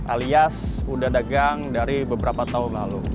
alias udah dagang dari beberapa tahun lalu